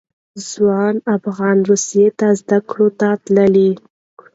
ځوان افغانان روسیې ته زده کړو ته تللي.